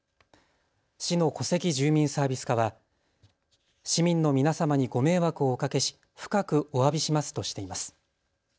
市の戸籍住民サービス課は市民の皆様にご迷惑をおかけし深くおわびしますとしています。